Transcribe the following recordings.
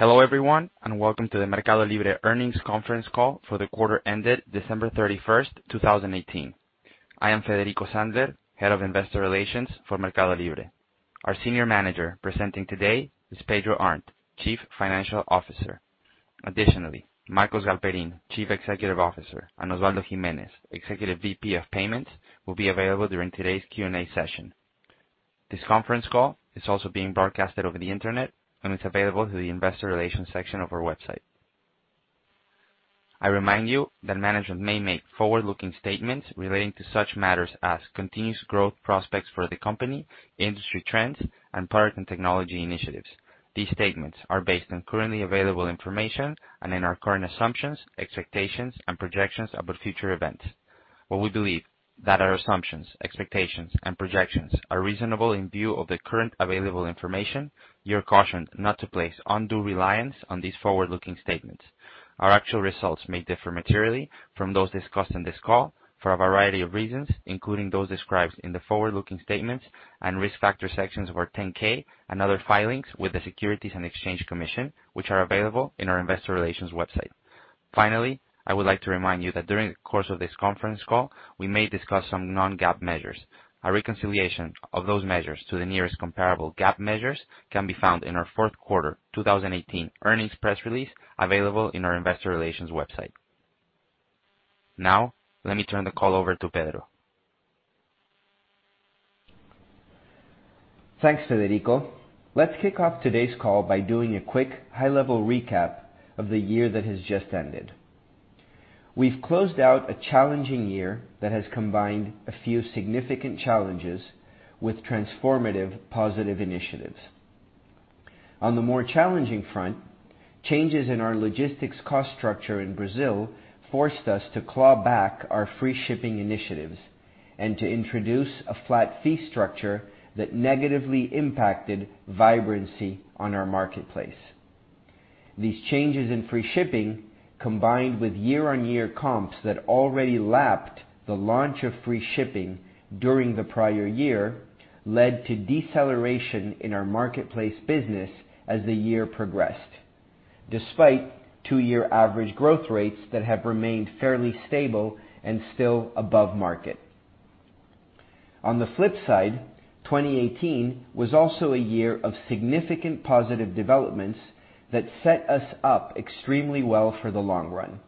Hello, everyone, welcome to the MercadoLibre earnings conference call for the quarter ended December 31st, 2018. I am Federico Sandler, Head of Investor Relations for MercadoLibre. Our senior manager presenting today is Pedro Arnt, Chief Financial Officer. Additionally, Marcos Galperin, Chief Executive Officer, and Osvaldo Gimenez, Executive VP of Payments, will be available during today's Q&A session. This conference call is also being broadcasted over the internet and is available through the investor relations section of our website. I remind you that management may make forward-looking statements relating to such matters as continuous growth prospects for the company, industry trends, and product and technology initiatives. These statements are based on currently available information and in our current assumptions, expectations, and projections about future events. While we believe that our assumptions, expectations, and projections are reasonable in view of the current available information, you are cautioned not to place undue reliance on these forward-looking statements. Our actual results may differ materially from those discussed on this call for a variety of reasons, including those described in the forward-looking statements and risk factors sections of our 10-K and other filings with the Securities and Exchange Commission, which are available on our investor relations website. Finally, I would like to remind you that during the course of this conference call, we may discuss some non-GAAP measures. A reconciliation of those measures to the nearest comparable GAAP measures can be found in our fourth quarter 2018 earnings press release, available on our investor relations website. Let me turn the call over to Pedro. Thanks, Federico. Let's kick off today's call by doing a quick high-level recap of the year that has just ended. We've closed out a challenging year that has combined a few significant challenges with transformative positive initiatives. On the more challenging front, changes in our logistics cost structure in Brazil forced us to claw back our free shipping initiatives and to introduce a flat fee structure that negatively impacted vibrancy on our marketplace. These changes in free shipping, combined with year-on-year comps that already lapped the launch of free shipping during the prior year, led to deceleration in our marketplace business as the year progressed, despite two-year average growth rates that have remained fairly stable and still above market. On the flip side, 2018 was also a year of significant positive developments that set us up extremely well for the long run.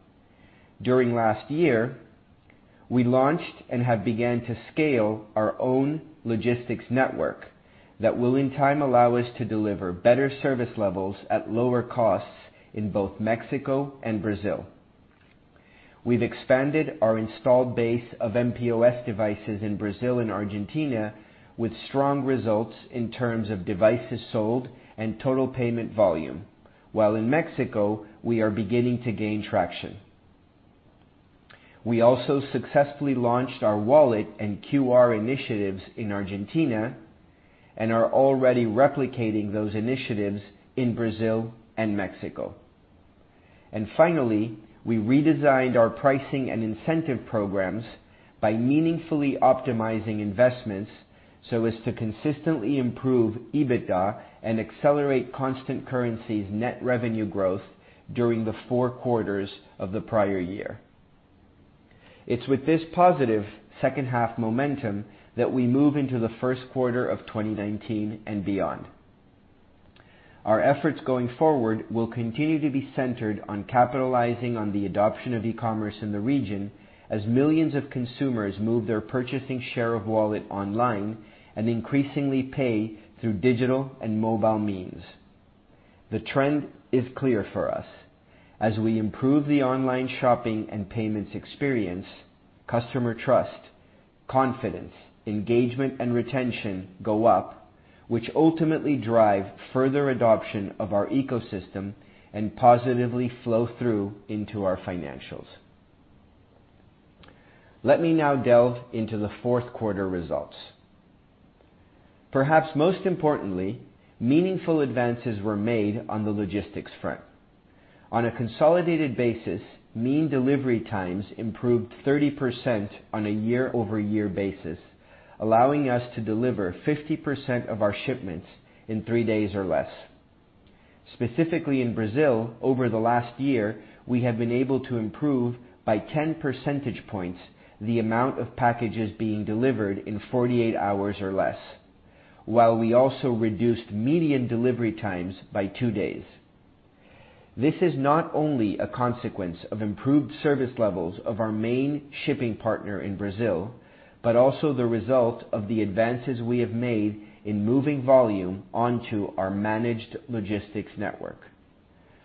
During last year, we launched and have begun to scale our own logistics network that will in time allow us to deliver better service levels at lower costs in both Mexico and Brazil. We've expanded our installed base of mPOS devices in Brazil and Argentina with strong results in terms of devices sold and total payment volume, while in Mexico, we are beginning to gain traction. We also successfully launched our wallet and QR initiatives in Argentina and are already replicating those initiatives in Brazil and Mexico. Finally, we redesigned our pricing and incentive programs by meaningfully optimizing investments so as to consistently improve EBITDA and accelerate constant currencies net revenue growth during the four quarters of the prior year. It's with this positive second-half momentum that we move into the first quarter of 2019 and beyond. Our efforts going forward will continue to be centered on capitalizing on the adoption of e-commerce in the region as millions of consumers move their purchasing share-of-wallet online and increasingly pay through digital and mobile means. The trend is clear for us. As we improve the online shopping and payments experience, customer trust, confidence, engagement, and retention go up, which ultimately drive further adoption of our ecosystem and positively flow through into our financials. Let me now delve into the fourth quarter results. Perhaps most importantly, meaningful advances were made on the logistics front. On a consolidated basis, mean delivery times improved 30% on a year-over-year basis, allowing us to deliver 50% of our shipments in three days or less. Specifically in Brazil, over the last year, we have been able to improve by 10 percentage points the amount of packages being delivered in 48 hours or less, while we also reduced median delivery times by two days. This is not only a consequence of improved service levels of our main shipping partner in Brazil, but also the result of the advances we have made in moving volume onto our managed logistics network.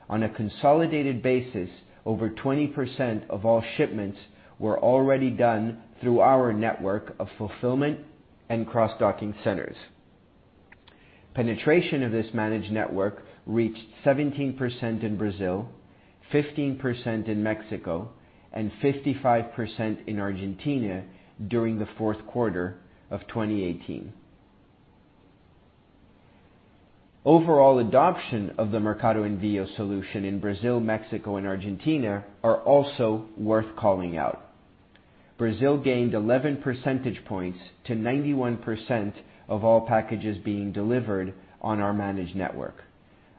On a consolidated basis, over 20% of all shipments were already done through our network of fulfillment and cross-docking centers. Penetration of this managed network reached 17% in Brazil, 15% in Mexico, and 55% in Argentina during the fourth quarter of 2018. Overall adoption of the Mercado Envíos solution in Brazil, Mexico, and Argentina are also worth calling out. Brazil gained 11 percentage points to 91% of all packages being delivered on our managed network.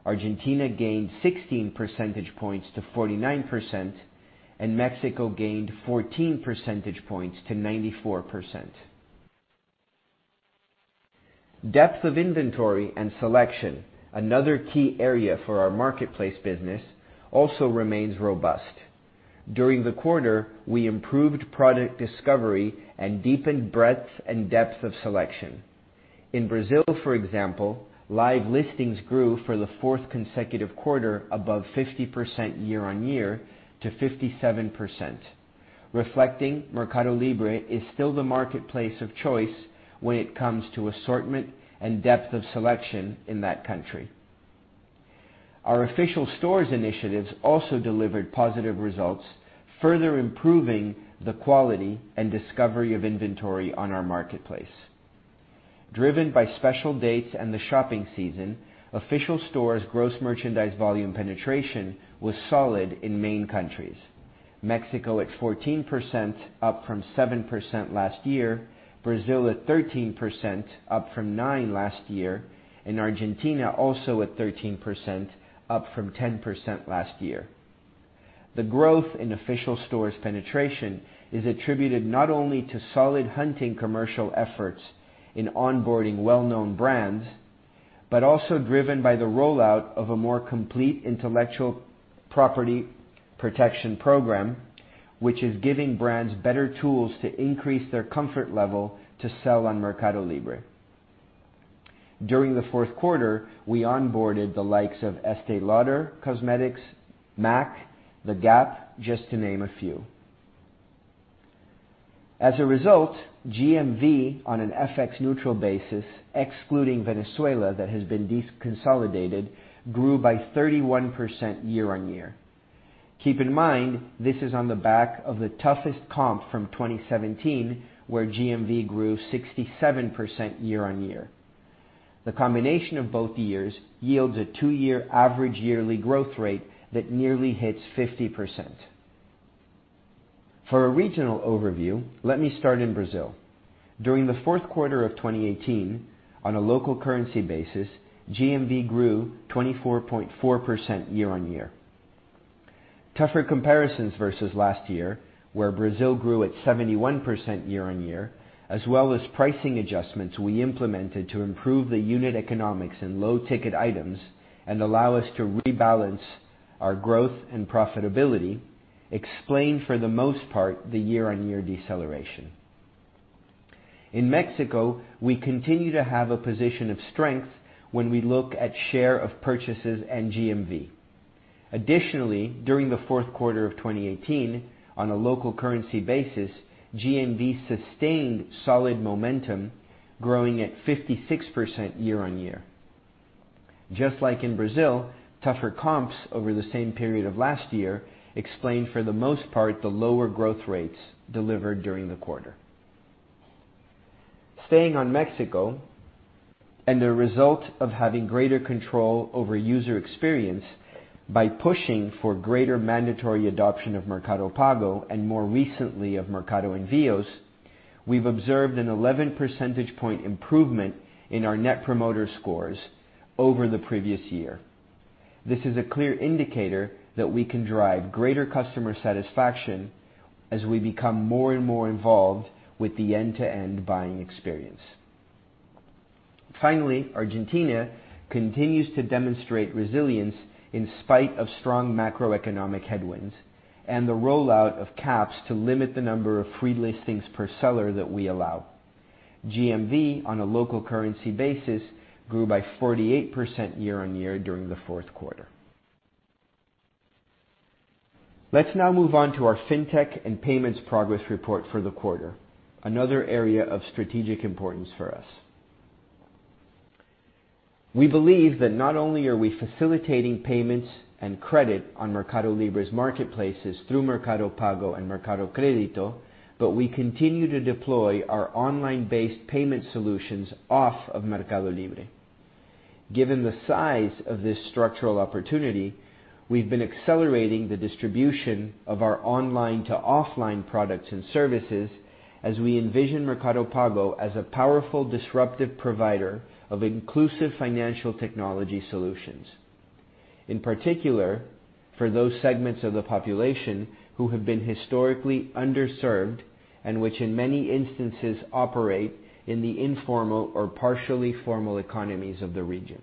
Argentina gained 16 percentage points to 49%, and Mexico gained 14 percentage points to 94%. Depth of inventory and selection, another key area for our marketplace business, also remains robust. During the quarter, we improved product discovery and deepened breadth and depth of selection. In Brazil, for example, live listings grew for the fourth consecutive quarter above 50% year-on-year to 57%, reflecting MercadoLibre is still the marketplace of choice when it comes to assortment and depth of selection in that country. Our official stores initiatives also delivered positive results, further improving the quality and discovery of inventory on our marketplace. Driven by special dates and the shopping season, official stores' gross merchandise volume penetration was solid in main countries. Mexico at 14%, up from 7% last year, Brazil at 13%, up from 9% last year, and Argentina also at 13%, up from 10% last year. The growth in official stores penetration is attributed not only to solid hunting commercial efforts in onboarding well-known brands, but also driven by the rollout of a more complete intellectual property protection program, which is giving brands better tools to increase their comfort level to sell on MercadoLibre. During the fourth quarter, we onboarded the likes of Estée Lauder Cosmetics, MAC, The Gap, just to name a few. As a result, GMV on an FX neutral basis, excluding Venezuela that has been deconsolidated, grew by 31% year-on-year. Keep in mind, this is on the back of the toughest comp from 2017, where GMV grew 67% year-on-year. The combination of both years yields a two-year average yearly growth rate that nearly hits 50%. For a regional overview, let me start in Brazil. During the fourth quarter of 2018, on a local currency basis, GMV grew 24.4% year-on-year. Tougher comparisons versus last year, where Brazil grew at 71% year-on-year, as well as pricing adjustments we implemented to improve the unit economics in low ticket items and allow us to rebalance our growth and profitability explain, for the most part, the year-on-year deceleration. In Mexico, we continue to have a position of strength when we look at share of purchases and GMV. Additionally, during the fourth quarter of 2018, on a local currency basis, GMV sustained solid momentum, growing at 56% year-on-year. Just like in Brazil, tougher comps over the same period of last year explain for the most part the lower growth rates delivered during the quarter. The result of having greater control over user experience by pushing for greater mandatory adoption of Mercado Pago and more recently of Mercado Envíos, we've observed an 11 percentage point improvement in our net promoter scores over the previous year. This is a clear indicator that we can drive greater customer satisfaction as we become more and more involved with the end-to-end buying experience. Finally, Argentina continues to demonstrate resilience in spite of strong macroeconomic headwinds and the rollout of caps to limit the number of free listings per seller that we allow. GMV, on a local currency basis, grew by 48% year-on-year during the fourth quarter. Let's now move on to our fintech and payments progress report for the quarter, another area of strategic importance for us. We believe that not only are we facilitating payments and credit on MercadoLibre's marketplaces through Mercado Pago and Mercado Crédito, but we continue to deploy our online-based payment solutions off of MercadoLibre. Given the size of this structural opportunity, we've been accelerating the distribution of our online-to-offline products and services as we envision Mercado Pago as a powerful disruptive provider of inclusive financial technology solutions. In particular, for those segments of the population who have been historically underserved and which in many instances operate in the informal or partially formal economies of the region.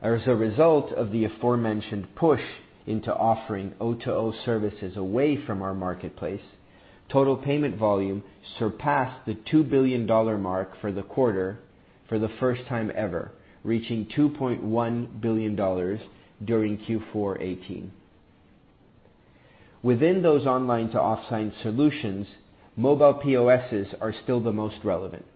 As a result of the aforementioned push into offering O2O services away from our marketplace, total payment volume surpassed the $2 billion mark for the quarter for the first time ever, reaching $2.1 billion during Q4 '18. Within those online-to-offline solutions, mobile POSs are still the most relevant.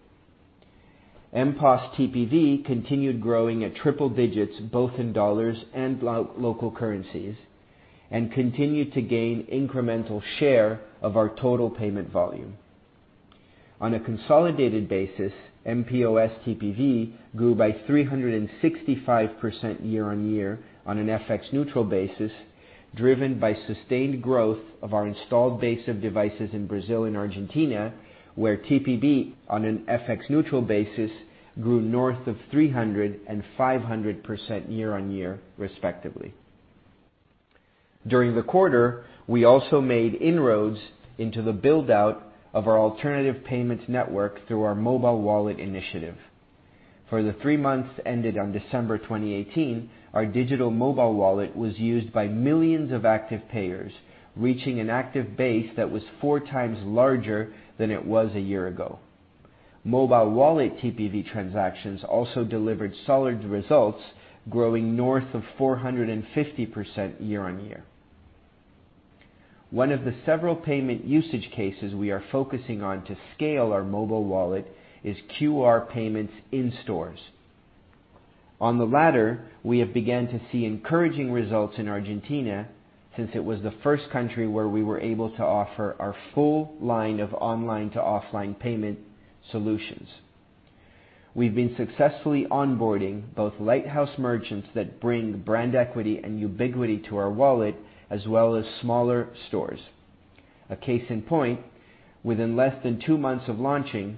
mPOS TPV continued growing at triple digits both in dollars and local currencies and continued to gain incremental share of our total payment volume. On a consolidated basis, mPOS TPV grew by 365% year-on-year on an FX neutral basis, driven by sustained growth of our installed base of devices in Brazil and Argentina, where TPV on an FX neutral basis grew north of 300% and 500% year-on-year respectively. During the quarter, we also made inroads into the build-out of our alternative payments network through our mobile wallet initiative. For the three months ended on December 2018, our digital mobile wallet was used by millions of active payers, reaching an active base that was four times larger than it was a year ago. Mobile wallet TPV transactions also delivered solid results, growing north of 450% year-on-year. One of the several payment usage cases we are focusing on to scale our mobile wallet is QR payments in stores. On the latter, we have begun to see encouraging results in Argentina since it was the first country where we were able to offer our full line of online-to-offline payment solutions. We've been successfully onboarding both lighthouse merchants that bring brand equity and ubiquity to our wallet, as well as smaller stores. A case in point, within less than two months of launching,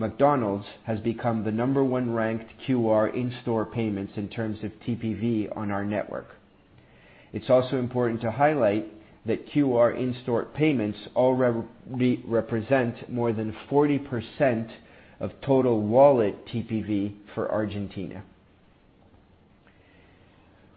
McDonald's has become the number one ranked QR in-store payments in terms of TPV on our network. It's also important to highlight that QR in-store payments already represent more than 40% of total wallet TPV for Argentina.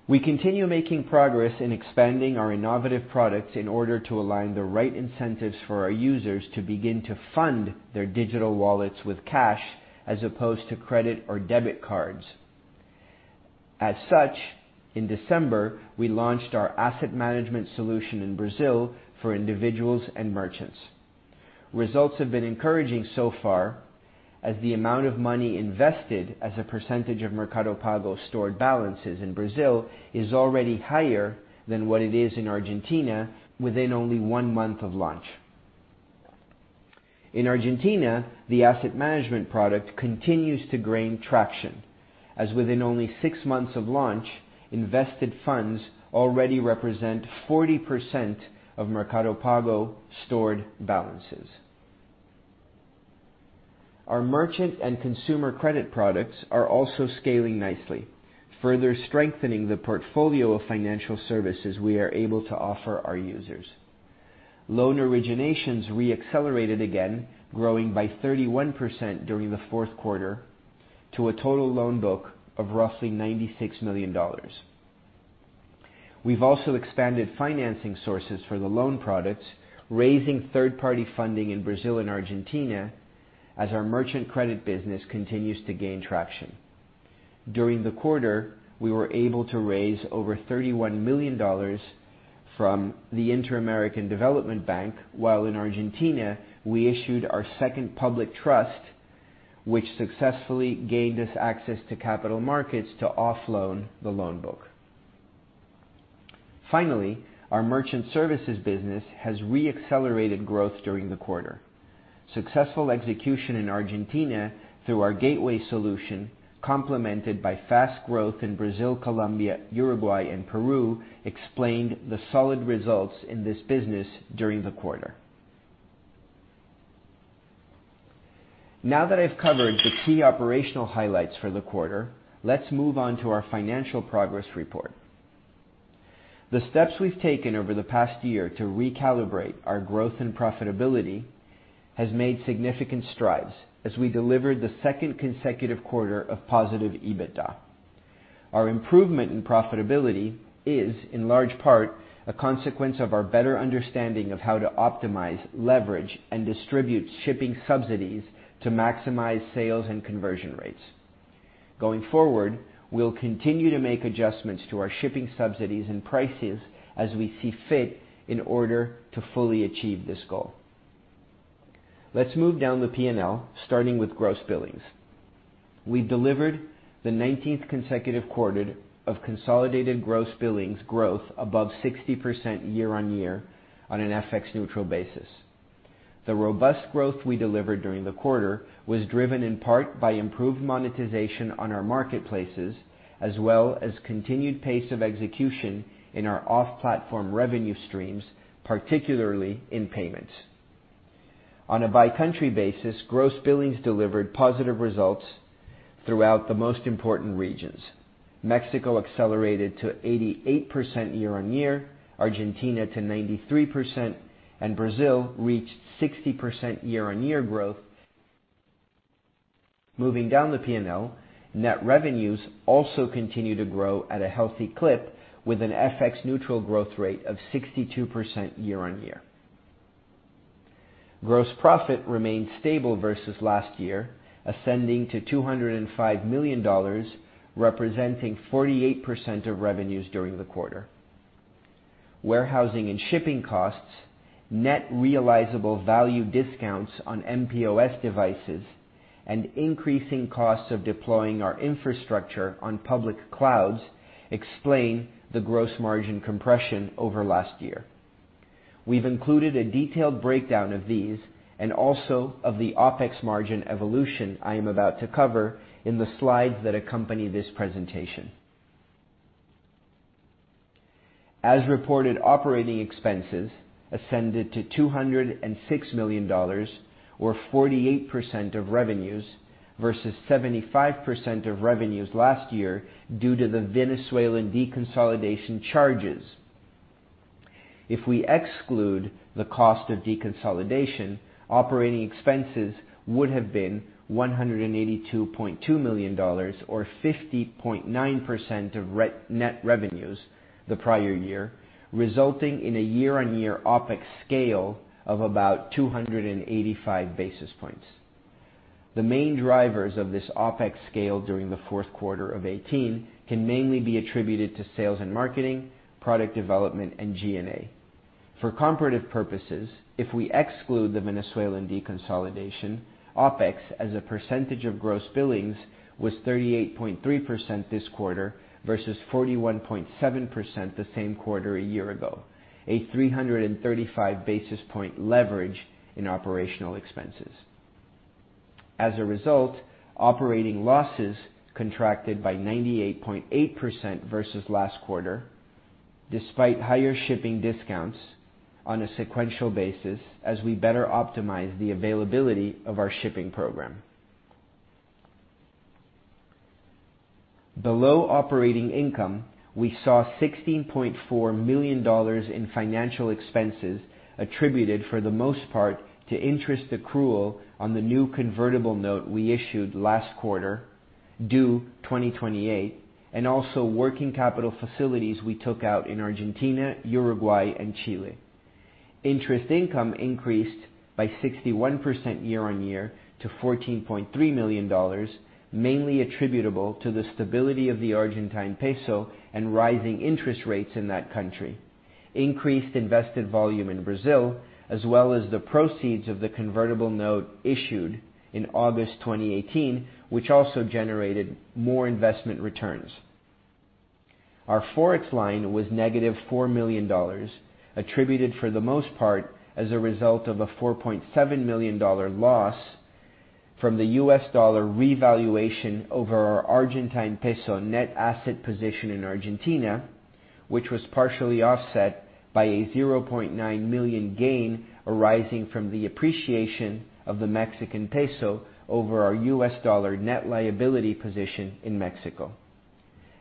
We continue making progress in expanding our innovative products in order to align the right incentives for our users to begin to fund their digital wallets with cash as opposed to credit or debit cards. In December, we launched our asset management solution in Brazil for individuals and merchants. Results have been encouraging so far as the amount of money invested as a percentage of Mercado Pago stored balances in Brazil is already higher than what it is in Argentina within only one month of launch. In Argentina, the asset management product continues to gain traction as within only six months of launch, invested funds already represent 40% of Mercado Pago stored balances. Our merchant and consumer credit products are also scaling nicely, further strengthening the portfolio of financial services we are able to offer our users. Loan originations re-accelerated again, growing by 31% during the fourth quarter to a total loan book of roughly $96 million. We've also expanded financing sources for the loan products, raising third-party funding in Brazil and Argentina as our merchant credit business continues to gain traction. During the quarter, we were able to raise over $31 million from the Inter-American Development Bank, while in Argentina, we issued our second public trust, which successfully gained us access to capital markets to off-loan the loan book. Our merchant services business has re-accelerated growth during the quarter. Successful execution in Argentina through our gateway solution, complemented by fast growth in Brazil, Colombia, Uruguay, and Peru, explained the solid results in this business during the quarter. Now that I've covered the key operational highlights for the quarter, let's move on to our financial progress report. The steps we've taken over the past year to recalibrate our growth and profitability has made significant strides as we delivered the second consecutive quarter of positive EBITDA. Our improvement in profitability is, in large part, a consequence of our better understanding of how to optimize, leverage, and distribute shipping subsidies to maximize sales and conversion rates. Going forward, we'll continue to make adjustments to our shipping subsidies and prices as we see fit in order to fully achieve this goal. Let's move down the P&L, starting with gross billings. We delivered the 19th consecutive quarter of consolidated gross billings growth above 60% year-on-year on an FX neutral basis. The robust growth we delivered during the quarter was driven in part by improved monetization on our marketplaces, as well as continued pace of execution in our off-platform revenue streams, particularly in payments. On a by-country basis, gross billings delivered positive results throughout the most important regions. Mexico accelerated to 88% year-on-year, Argentina to 93%, and Brazil reached 60% year-on-year growth. Moving down the P&L, net revenues also continue to grow at a healthy clip with an FX neutral growth rate of 62% year-on-year. Gross profit remained stable versus last year, ascending to $205 million, representing 48% of revenues during the quarter. Warehousing and shipping costs, net realizable value discounts on mPOS devices. Increasing costs of deploying our infrastructure on public clouds explain the gross margin compression over last year. We've included a detailed breakdown of these and also of the OpEx margin evolution I am about to cover in the slides that accompany this presentation. As reported, operating expenses ascended to $206 million, or 48% of revenues versus 75% of revenues last year due to the Venezuelan deconsolidation charges. If we exclude the cost of deconsolidation, operating expenses would have been $182.2 million or 50.9% of net revenues the prior year, resulting in a year-on-year OpEx scale of about 285 basis points. The main drivers of this OpEx scale during the fourth quarter of 2018 can mainly be attributed to sales and marketing, product development, and G&A. For comparative purposes, if we exclude the Venezuelan deconsolidation, OpEx as a percentage of gross billings was 38.3% this quarter versus 41.7% the same quarter a year ago, a 335 basis point leverage in operational expenses. As a result, operating losses contracted by 98.8% versus last quarter, despite higher shipping discounts on a sequential basis as we better optimize the availability of our shipping program. Below operating income, we saw $16.4 million in financial expenses attributed for the most part to interest accrual on the new convertible note we issued last quarter, due 2028, and also working capital facilities we took out in Argentina, Uruguay, and Chile. Interest income increased by 61% year-on-year to $14.3 million, mainly attributable to the stability of the Argentine peso and rising interest rates in that country, increased invested volume in Brazil, as well as the proceeds of the convertible note issued in August 2018, which also generated more investment returns. Our Forex line was negative $4 million, attributed for the most part as a result of a $4.7 million loss from the U.S. dollar revaluation over our Argentine peso net asset position in Argentina, which was partially offset by a $0.9 million gain arising from the appreciation of the Mexican peso over our U.S. dollar net liability position in Mexico.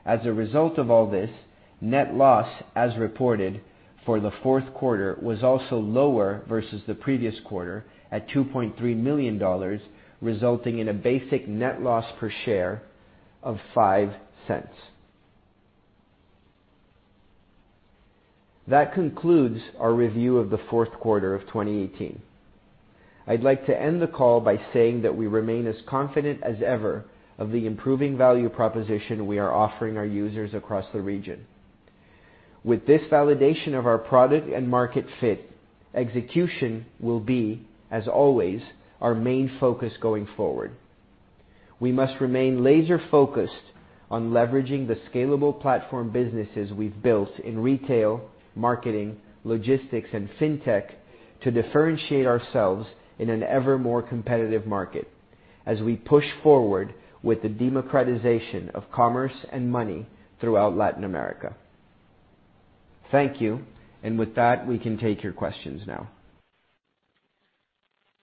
As a result of all this, net loss as reported for the fourth quarter was also lower versus the previous quarter at $2.3 million, resulting in a basic net loss per share of $0.05. That concludes our review of the fourth quarter of 2018. I'd like to end the call by saying that we remain as confident as ever of the improving value proposition we are offering our users across the region. With this validation of our product and market fit, execution will be, as always, our main focus going forward. We must remain laser-focused on leveraging the scalable platform businesses we've built in retail, marketing, logistics, and fintech to differentiate ourselves in an ever more competitive market as we push forward with the democratization of commerce and money throughout Latin America. Thank you. With that, we can take your questions now.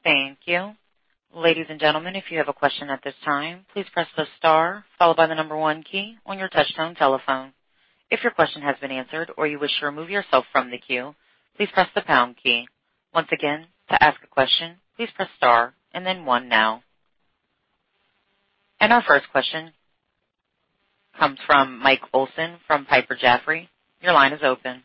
Thank you. Ladies and gentlemen, if you have a question at this time, please press the star followed by the number one key on your touchtone telephone. If your question has been answered or you wish to remove yourself from the queue, please press the pound key. Once again, to ask a question, please press star and then one now. Our first question comes from Michael Olson from Piper Jaffray. Your line is open.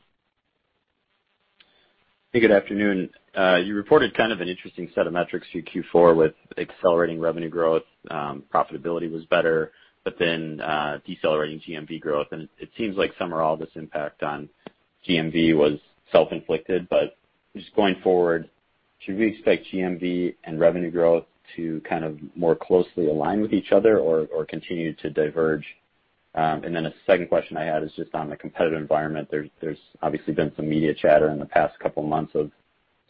Hey, good afternoon. You reported kind of an interesting set of metrics through Q4 with accelerating revenue growth. Profitability was better, decelerating GMV growth. It seems like some or all this impact on GMV was self-inflicted. Just going forward, should we expect GMV and revenue growth to kind of more closely align with each other or continue to diverge? A second question I had is just on the competitive environment. There's obviously been some media chatter in the past couple of months of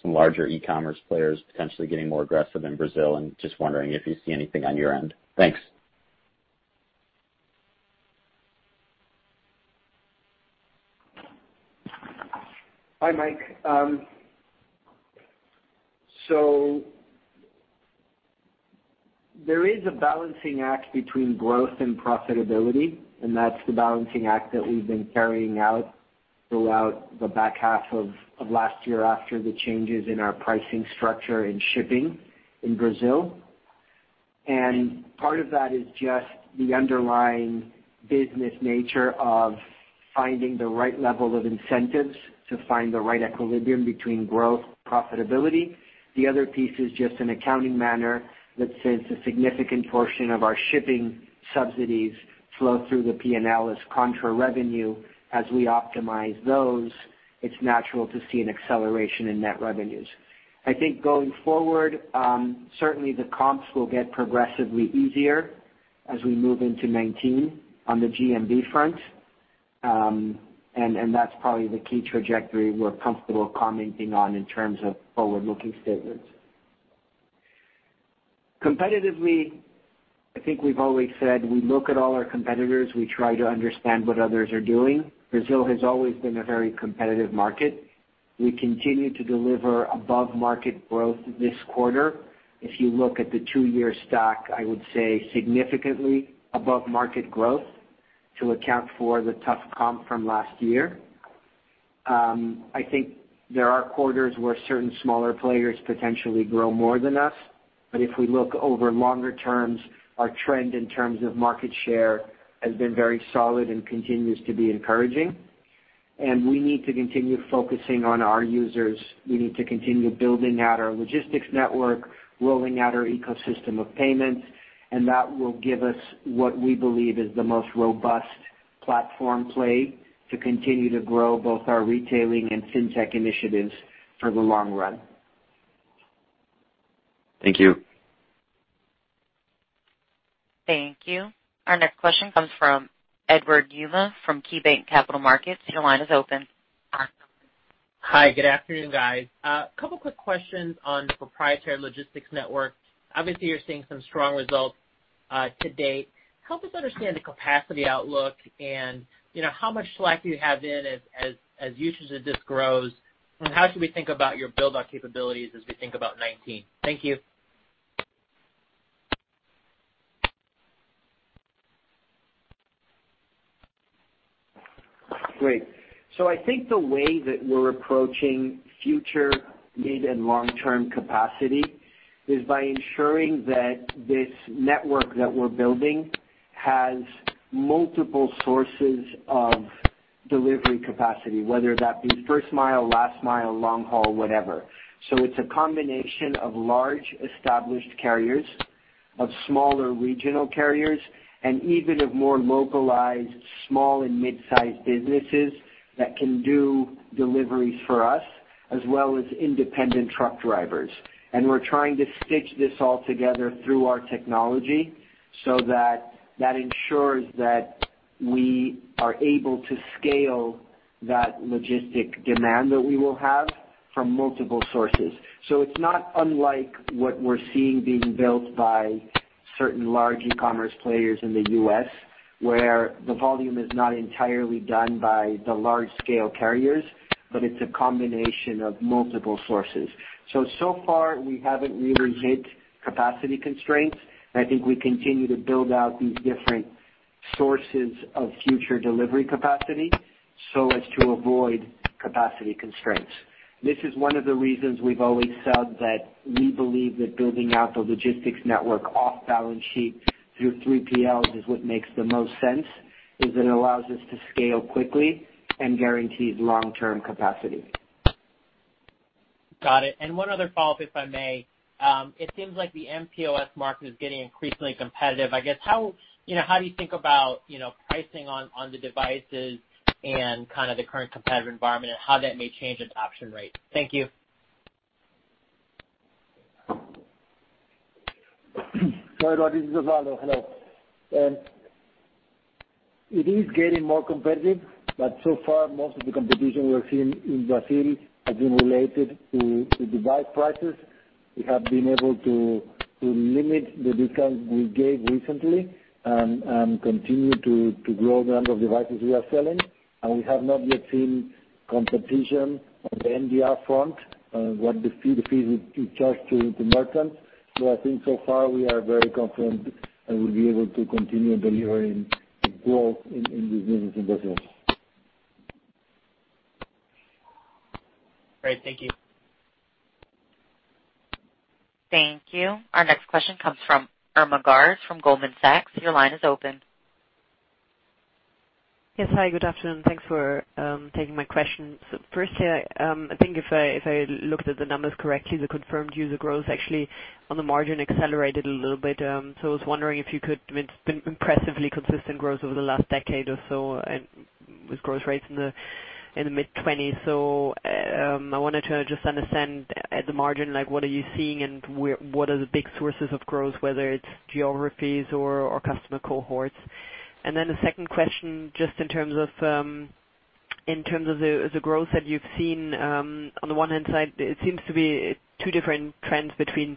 some larger e-commerce players potentially getting more aggressive in Brazil, and just wondering if you see anything on your end. Thanks. Hi, Mike. There is a balancing act between growth and profitability, and that's the balancing act that we've been carrying out throughout the back half of last year after the changes in our pricing structure in shipping in Brazil. Part of that is just the underlying business nature of finding the right level of incentives to find the right equilibrium between growth, profitability. The other piece is just an accounting manner that since a significant portion of our shipping subsidies flow through the P&L as contra revenue, as we optimize those It's natural to see an acceleration in net revenues. I think going forward, certainly the comps will get progressively easier as we move into 2019 on the GMV front, and that's probably the key trajectory we're comfortable commenting on in terms of forward-looking statements. Competitively, I think we've always said we look at all our competitors. We try to understand what others are doing. Brazil has always been a very competitive market. We continue to deliver above-market growth this quarter. If you look at the two-year stack, I would say significantly above-market growth to account for the tough comp from last year. I think there are quarters where certain smaller players potentially grow more than us. If we look over longer terms, our trend in terms of market share has been very solid and continues to be encouraging. We need to continue focusing on our users. We need to continue building out our logistics network, rolling out our ecosystem of payments, and that will give us what we believe is the most robust platform play to continue to grow both our retailing and fintech initiatives for the long run. Thank you. Thank you. Our next question comes from Edward Yruma from KeyBanc Capital Markets. Your line is open. Hi. Good afternoon, guys. A couple quick questions on the proprietary logistics network. Obviously, you're seeing some strong results to date. Help us understand the capacity outlook and how much slack you have in as usage of this grows. How should we think about your build-out capabilities as we think about 2019? Thank you. Great. I think the way that we're approaching future mid- and long-term capacity is by ensuring that this network that we're building has multiple sources of delivery capacity, whether that be first mile, last mile, long haul, whatever. It's a combination of large established carriers, of smaller regional carriers, and even of more localized small and mid-sized businesses that can do deliveries for us, as well as independent truck drivers. We're trying to stitch this all together through our technology so that ensures that we are able to scale that logistic demand that we will have from multiple sources. It's not unlike what we're seeing being built by certain large e-commerce players in the U.S., where the volume is not entirely done by the large-scale carriers, but it's a combination of multiple sources. So far, we haven't really hit capacity constraints. I think we continue to build out these different sources of future delivery capacity so as to avoid capacity constraints. This is one of the reasons we've always said that we believe that building out the logistics network off balance sheet through 3PL is what makes the most sense, is it allows us to scale quickly and guarantees long-term capacity. Got it. One other follow-up, if I may. It seems like the mPOS market is getting increasingly competitive. I guess, how do you think about pricing on the devices and kind of the current competitive environment and how that may change adoption rates? Thank you. Edward, this is Osvaldo. Hello. It is getting more competitive, but so far, most of the competition we're seeing in Brazil has been related to device prices. We have been able to limit the discount we gave recently and continue to grow the number of devices we are selling. We have not yet seen competition on the MDR front, what the fee we charge to merchants. I think so far we are very confident and we'll be able to continue delivering growth in the business in Brazil. Great. Thank you. Thank you. Our next question comes from Irma Sgarz from Goldman Sachs. Your line is open. Yes. Hi, good afternoon. Thanks for taking my question. Firstly, I think if I looked at the numbers correctly, the confirmed user growth actually on the margin accelerated a little bit. It's been impressively consistent growth over the last decade or so, and with growth rates in the mid-20s. I wanted to just understand at the margin, what are you seeing and what are the big sources of growth, whether it's geographies or customer cohorts? The second question, just in terms of the growth that you've seen, on the one hand side, it seems to be two different trends between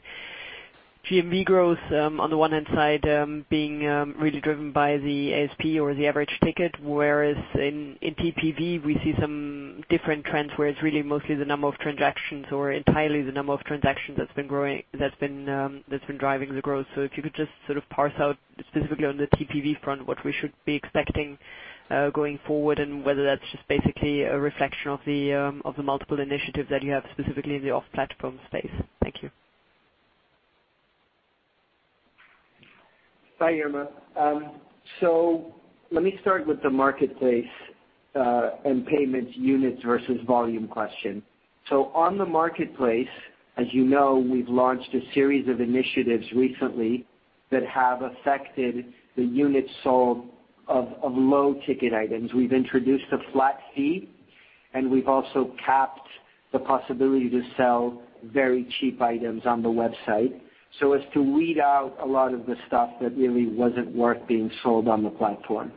GMV growth, on the one hand side, being really driven by the ASP or the average ticket, whereas in TPV, we see some different trends where it's really mostly the number of transactions or entirely the number of transactions that's been driving the growth. If you could just sort of parse out specifically on the TPV front what we should be expecting going forward and whether that's just basically a reflection of the multiple initiatives that you have specifically in the off-platform space. Thank you. Hi, Irma. Let me start with the Marketplace and payments units versus volume question. On the Marketplace, as you know, we've launched a series of initiatives recently that have affected the units sold of low-ticket items. We've introduced a flat fee, and we've also capped the possibility to sell very cheap items on the website so as to weed out a lot of the stuff that really wasn't worth being sold on the platform.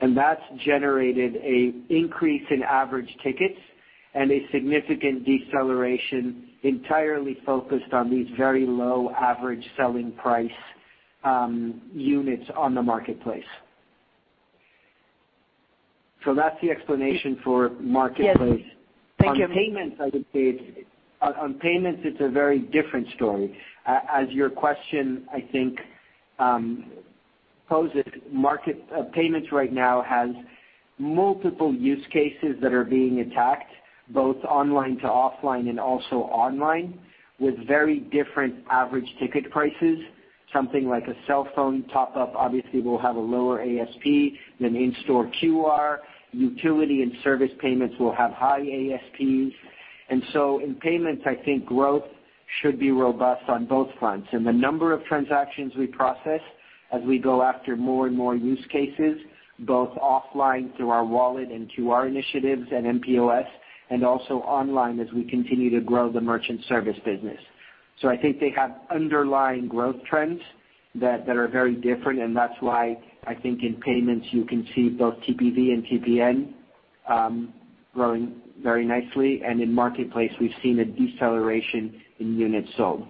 That's generated an increase in average tickets and a significant deceleration entirely focused on these very low average selling price units on the Marketplace. That's the explanation for Marketplace. Yes. Thank you. On payments, it's a very different story. As your question, I think, poses, payments right now has multiple use cases that are being attacked, both online to offline and also online, with very different average ticket prices. Something like a cell phone top-up obviously will have a lower ASP than in-store QR. Utility and service payments will have high ASPs. In payments, I think growth should be robust on both fronts. In the number of transactions we process as we go after more and more use cases, both offline through our wallet and QR initiatives and mPOS, and also online as we continue to grow the merchant service business. I think they have underlying growth trends that are very different, and that's why I think in payments you can see both TPV and TPN growing very nicely, and in Marketplace, we've seen a deceleration in units sold.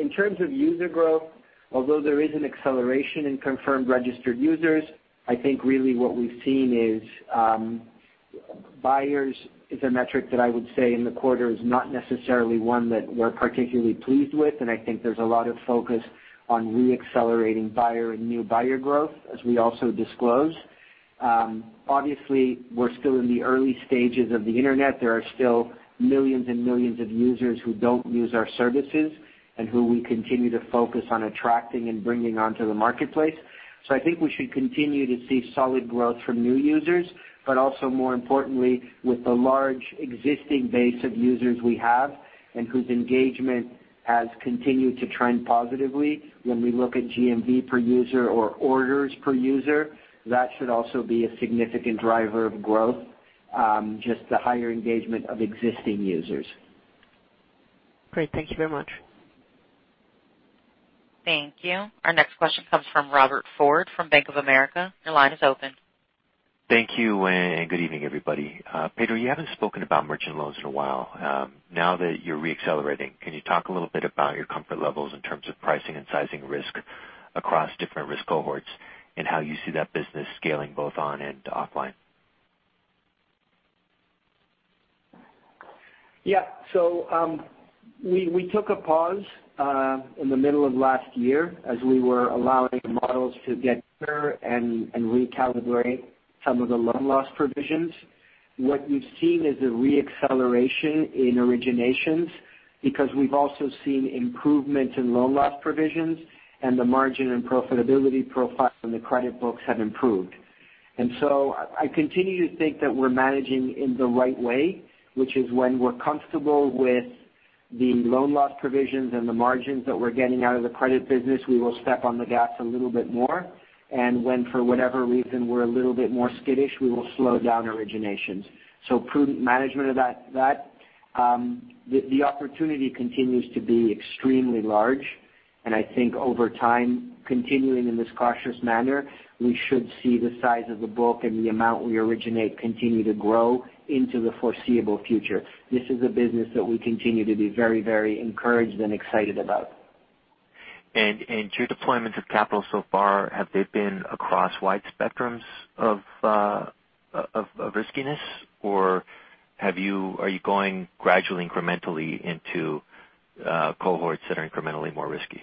In terms of user growth, although there is an acceleration in confirmed registered users, I think really what we've seen is buyers is a metric that I would say in the quarter is not necessarily one that we're particularly pleased with. There's a lot of focus on re-accelerating buyer and new buyer growth, as we also disclose. Obviously, we're still in the early stages of the Internet. There are still millions and millions of users who don't use our services and who we continue to focus on attracting and bringing onto the marketplace. I think we should continue to see solid growth from new users, but also more importantly, with the large existing base of users we have and whose engagement has continued to trend positively when we look at GMV per user or orders per user. That should also be a significant driver of growth, just the higher engagement of existing users. Great. Thank you very much. Thank you. Our next question comes from Robert Ford from Bank of America. Your line is open. Thank you, good evening, everybody. Pedro, you haven't spoken about merchant loans in a while. Now that you're re-accelerating, can you talk a little bit about your comfort levels in terms of pricing and sizing risk across different risk cohorts and how you see that business scaling both on and offline? Yeah. We took a pause in the middle of last year as we were allowing the models to get better and recalibrate some of the loan loss provisions. What we've seen is a re-acceleration in originations because we've also seen improvement in loan loss provisions and the margin and profitability profile in the credit books have improved. I continue to think that we're managing in the right way, which is when we're comfortable with the loan loss provisions and the margins that we're getting out of the credit business, we will step on the gas a little bit more. When, for whatever reason, we're a little bit more skittish, we will slow down originations. Prudent management of that. The opportunity continues to be extremely large. I think over time, continuing in this cautious manner, we should see the size of the book and the amount we originate continue to grow into the foreseeable future. This is a business that we continue to be very encouraged and excited about. To your deployments of capital so far, have they been across wide spectrums of riskiness or are you going gradually, incrementally into cohorts that are incrementally more risky?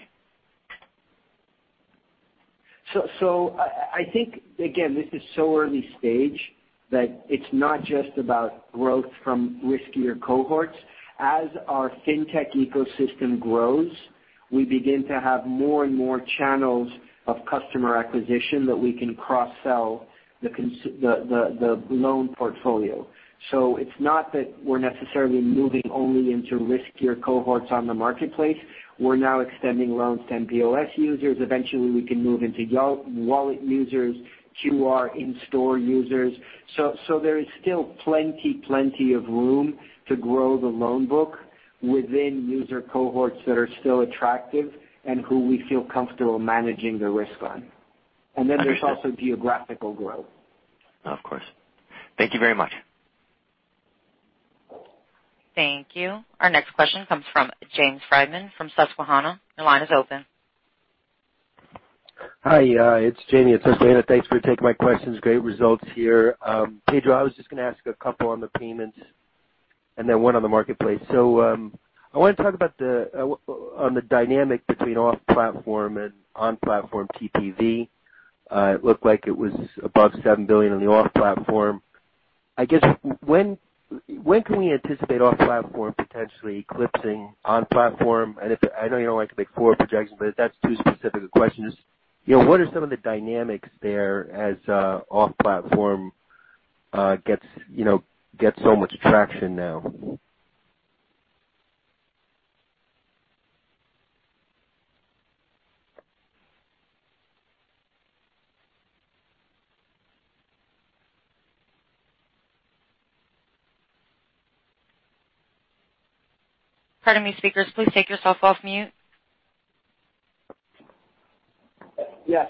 I think, again, this is so early stage that it's not just about growth from riskier cohorts. As our fintech ecosystem grows, we begin to have more and more channels of customer acquisition that we can cross-sell the loan portfolio. It's not that we're necessarily moving only into riskier cohorts on the marketplace. We're now extending loans to mPOS users. Eventually, we can move into wallet users, QR in-store users. There is still plenty of room to grow the loan book within user cohorts that are still attractive and who we feel comfortable managing the risk on. Understood. There's also geographical growth. Of course. Thank you very much. Thank you. Our next question comes from James Friedman from Susquehanna. Your line is open. Hi, it's Jamie at Susquehanna. Thanks for taking my questions. Great results here. Pedro, I was just going to ask a couple on the payments and then one on the marketplace. I want to talk about on the dynamic between off-platform and on-platform TPV. It looked like it was above $7 billion on the off-platform. I guess when can we anticipate off-platform potentially eclipsing on-platform? I know you don't like to make forward projections, but if that's too specific a question, just what are some of the dynamics there as off-platform gets so much traction now. Pardon me, speakers, please take yourself off mute.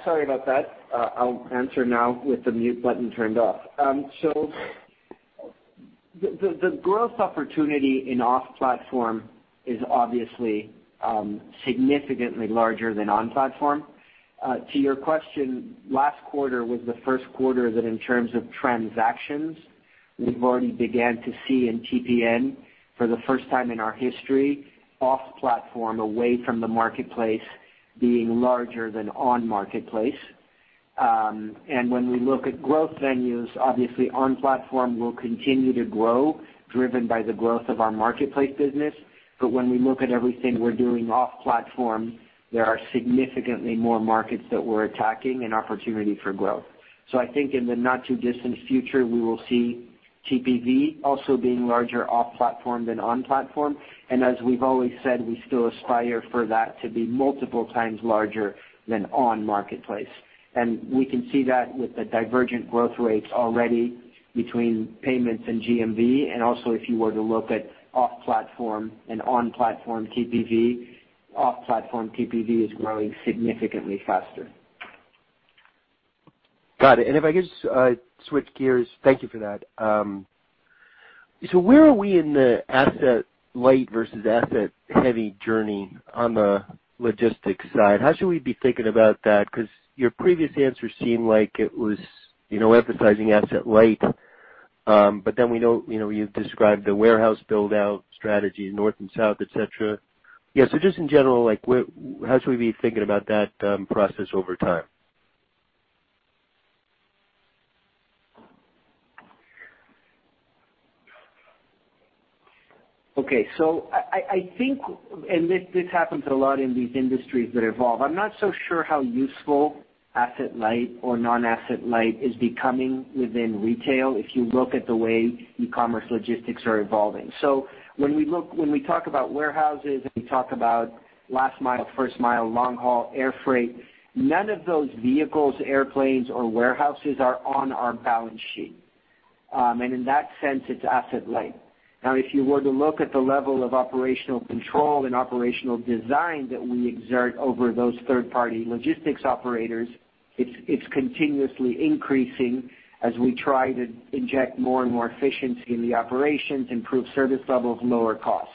Sorry about that. I'll answer now with the mute button turned off. The growth opportunity in off-platform is obviously significantly larger than on-platform. To your question, last quarter was the first quarter that in terms of transactions, we've already began to see in TPN for the first time in our history, off-platform away from the marketplace being larger than on marketplace. When we look at growth venues, obviously on-platform will continue to grow driven by the growth of our marketplace business. When we look at everything we're doing off-platform, there are significantly more markets that we're attacking and opportunity for growth. I think in the not too distant future, we will see TPV also being larger off-platform than on-platform, and as we've always said, we still aspire for that to be multiple times larger than on marketplace. We can see that with the divergent growth rates already between payments and GMV, and also if you were to look at off-platform and on-platform TPV, off-platform TPV is growing significantly faster. Got it. If I could just switch gears. Thank you for that. Where are we in the asset-light versus asset-heavy journey on the logistics side? How should we be thinking about that? Because your previous answer seemed like it was emphasizing asset light. We know you've described the warehouse build-out strategy in North and South, et cetera. Just in general, how should we be thinking about that process over time? I think, this happens a lot in these industries that evolve. I'm not so sure how useful asset light or non-asset light is becoming within retail if you look at the way e-commerce logistics are evolving. When we talk about warehouses and we talk about last mile, first mile, long haul, air freight, none of those vehicles, airplanes, or warehouses are on our balance sheet. In that sense, it's asset light. If you were to look at the level of operational control and operational design that we exert over those third-party logistics operators, it's continuously increasing as we try to inject more and more efficiency in the operations, improve service levels, lower cost.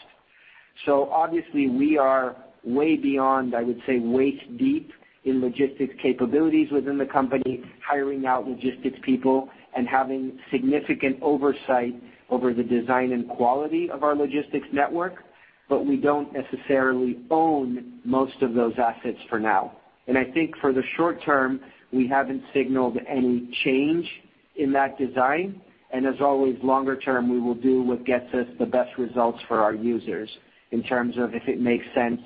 Obviously, we are way beyond, I would say, waist deep in logistics capabilities within the company, hiring out logistics people, and having significant oversight over the design and quality of our logistics network, but we don't necessarily own most of those assets for now. I think for the short term, we haven't signaled any change in that design. As always, longer term, we will do what gets us the best results for our users in terms of if it makes sense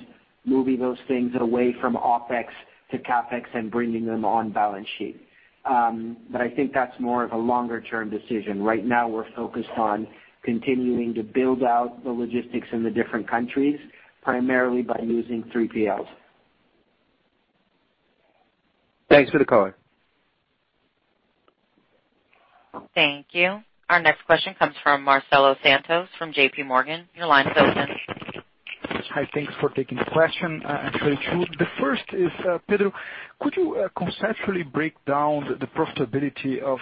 moving those things away from OpEx to CapEx and bringing them on balance sheet. I think that's more of a longer-term decision. Right now we're focused on continuing to build out the logistics in the different countries, primarily by using 3PLs. Thanks for the color. Thank you. Our next question comes from Marcelo Santos from JP Morgan. Your line is open. Hi. Thanks for taking the question. I'm sorry, two. The first is, Pedro, could you conceptually break down the profitability of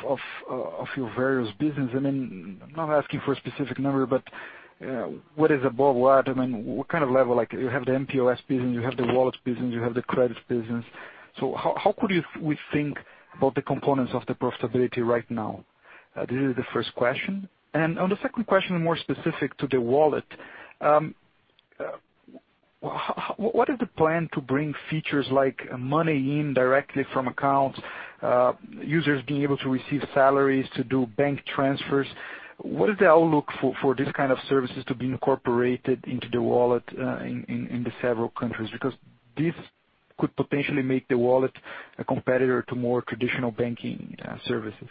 your various business? I'm not asking for a specific number, but what is above what? What kind of level? You have the mPOS business, you have the wallet business, you have the credit business. How could we think about the components of the profitability right now? This is the first question. On the second question, more specific to the wallet, what is the plan to bring features like money in directly from accounts, users being able to receive salaries to do bank transfers? What is the outlook for this kind of services to be incorporated into the wallet in the several countries? Because this could potentially make the wallet a competitor to more traditional banking services.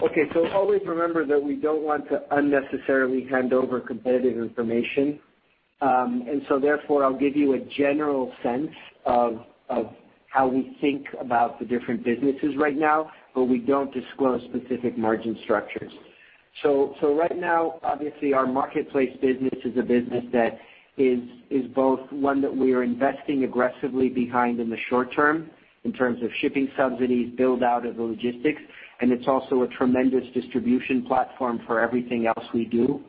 Okay. Always remember that we don't want to unnecessarily hand over competitive information. Therefore, I'll give you a general sense of how we think about the different businesses right now, but we don't disclose specific margin structures. Right now, obviously, our marketplace business is a business that is both one that we are investing aggressively behind in the short term in terms of shipping subsidies, build-out of the logistics, and it's also a tremendous distribution platform for everything else we do.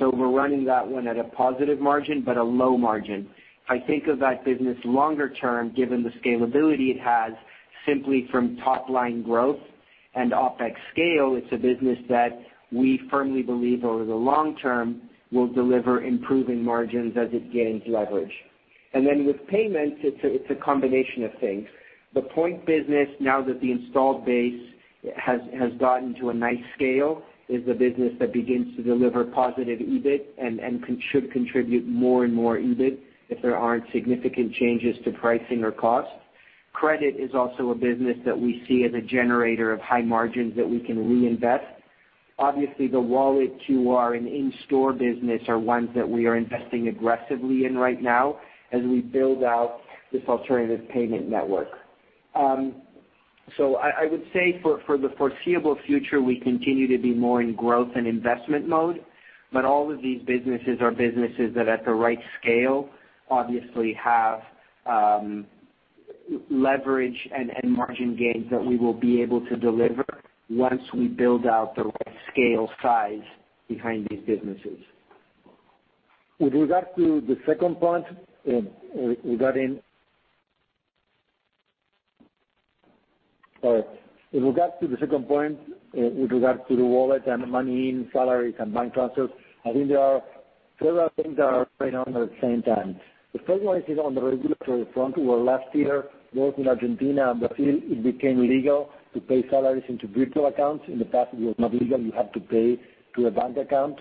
We're running that one at a positive margin, but a low margin. I think of that business longer term, given the scalability it has, simply from top-line growth and OpEx scale, it's a business that we firmly believe over the long term will deliver improving margins as it gains leverage. With payments, it's a combination of things. The point business, now that the install base has gotten to a nice scale, is the business that begins to deliver positive EBIT and should contribute more and more EBIT if there aren't significant changes to pricing or cost. Credit is also a business that we see as a generator of high margins that we can reinvest. Obviously, the wallet QR and in-store business are ones that we are investing aggressively in right now as we build out this alternative payment network. I would say for the foreseeable future, we continue to be more in growth and investment mode. All of these businesses are businesses that, at the right scale, obviously have leverage and margin gains that we will be able to deliver once we build out the right scale size behind these businesses. With regards to the second point with regards to the wallet and the money in salaries and bank transfers, I think there are several things that are going on at the same time. The first one is on the regulatory front, where last year, both in Argentina and Brazil, it became legal to pay salaries into virtual accounts. In the past, it was not legal. You had to pay to a bank account.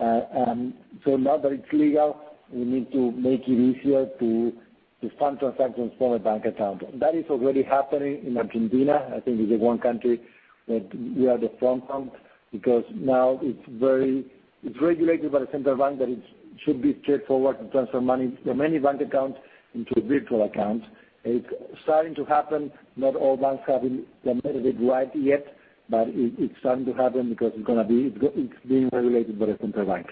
Now that it's legal, we need to make it easier to fund transactions from a bank account. That is already happening in Argentina. I think it's the one country where we are the front because now it's regulated by the central bank, that it should be straightforward to transfer money from any bank account into a virtual account. It's starting to happen. Not all banks have implemented it right yet, but it's starting to happen because it's being regulated by the central bank.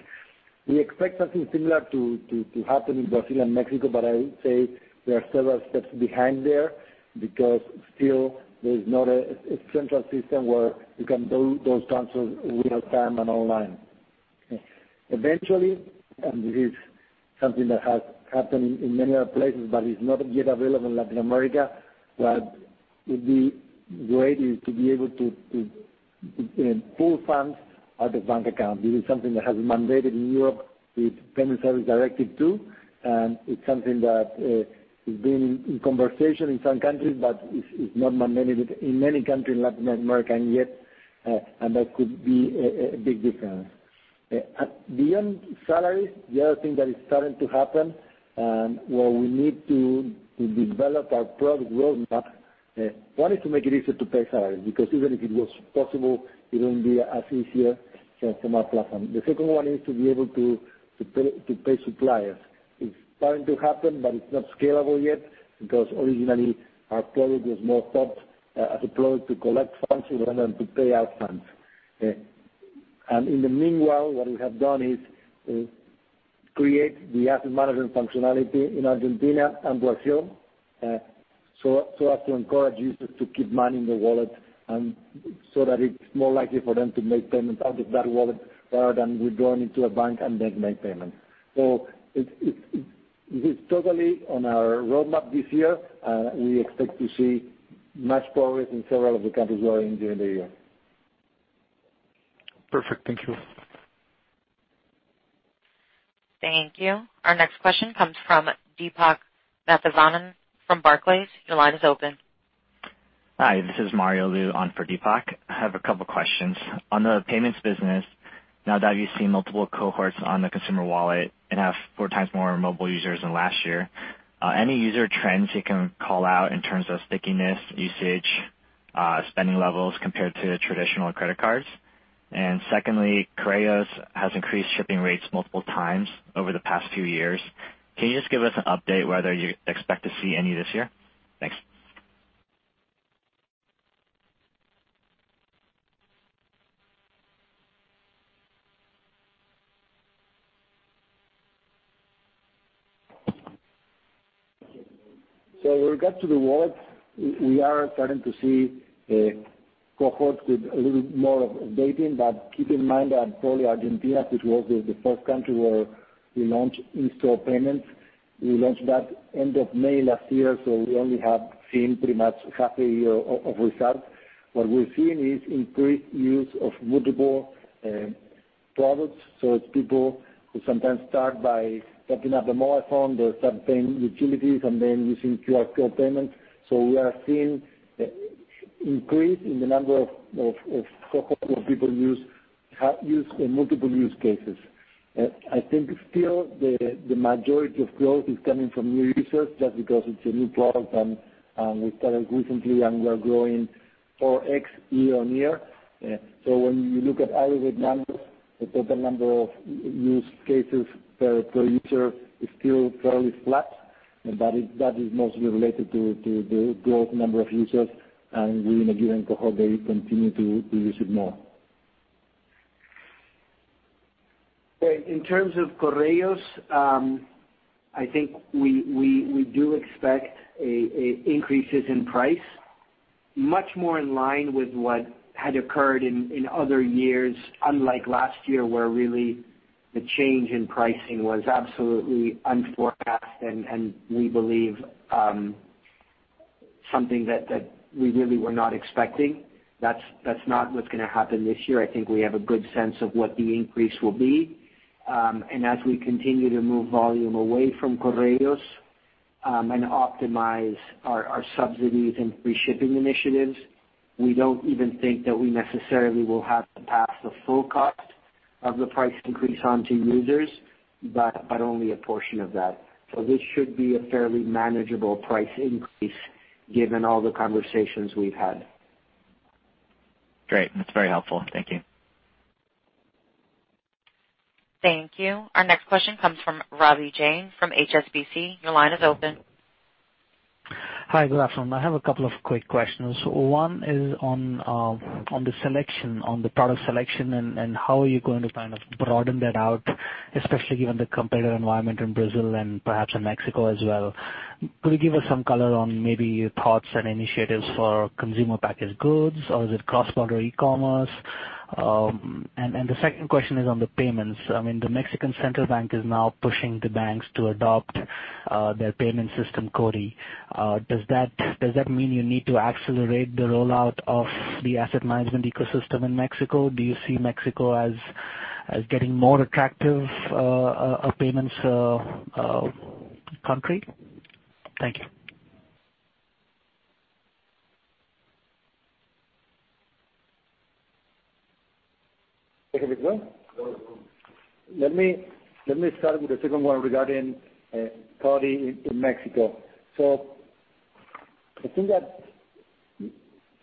We expect something similar to happen in Brazil and Mexico, but I would say they are several steps behind there because still there is not a central system where you can do those transfers in real time and online. Eventually, this is something that has happened in many other places but is not yet available in Latin America, what would be great is to be able to pull funds out of bank accounts. This is something that has been mandated in Europe with Payment Services Directive 2, and it's something that has been in conversation in some countries, but it's not mandated in many countries in Latin America yet, and that could be a big difference. Beyond salaries, the other thing that is starting to happen, where we need to develop our product roadmap, one is to make it easier to pay salaries, because even if it was possible, it wouldn't be as easier from our platform. The second one is to be able to pay suppliers. It's starting to happen, but it's not scalable yet because originally our product was more thought as a product to collect funds rather than to pay out funds. In the meanwhile, what we have done is create the asset management functionality in Argentina and Brazil so as to encourage users to keep money in their wallet so that it's more likely for them to make payments out of that wallet rather than withdrawing into a bank and then make payments. It's totally on our roadmap this year. We expect to see much progress in several of the countries where we are during the year. Perfect. Thank you. Thank you. Our next question comes from Deepak Mathivanan from Barclays. Your line is open. Hi, this is Mario Lu on for Deepak. I have a couple of questions. On the payments business, now that you've seen multiple cohorts on the consumer wallet and have four times more mobile users than last year, any user trends you can call out in terms of stickiness, usage, spending levels compared to traditional credit cards? Secondly, Correios has increased shipping rates multiple times over the past few years. Can you just give us an update whether you expect to see any this year? Thanks. With regards to the wallet, we are starting to see cohorts with a little bit more updating. Keep in mind that probably Argentina, which was the first country where we launched in-store payments, we launched that end of May last year, so we only have seen pretty much half a year of results. What we're seeing is increased use of multiple products. It's people who sometimes start by topping up the mobile phone, they start paying utilities and then using QR code payments. We are seeing increase in the number of cohorts where people have used in multiple use cases. I think still the majority of growth is coming from new users just because it's a new product and we started recently and we are growing four X year-on-year. When you look at aggregate numbers, the total number of use cases per user is still fairly flat, and that is mostly related to the growth number of users, and we, in a given cohort, they continue to use it more. In terms of Correios, I think we do expect increases in price, much more in line with what had occurred in other years, unlike last year, where really the change in pricing was absolutely unforecast and we believe something that we really were not expecting. That's not what's going to happen this year. I think we have a good sense of what the increase will be. As we continue to move volume away from Correios and optimize our subsidies and free shipping initiatives. We don't even think that we necessarily will have to pass the full cost of the price increase on to users, but only a portion of that. This should be a fairly manageable price increase given all the conversations we've had. Great. That's very helpful. Thank you. Thank you. Our next question comes from Ravi Jain, from HSBC. Your line is open. Hi. Good afternoon. I have a couple of quick questions. One is on the product selection. How are you going to broaden that out, especially given the competitive environment in Brazil and perhaps in Mexico as well. Could you give us some color on maybe your thoughts and initiatives for consumer packaged goods? Is it cross-border e-commerce? The second question is on the payments. The Bank of Mexico is now pushing the banks to adopt their payment system, CoDi. Does that mean you need to accelerate the rollout of the asset management ecosystem in Mexico? Do you see Mexico as getting more attractive a payments country? Thank you. Take it, Pedro? No. Let me start with the second one regarding CoDi in Mexico. I think that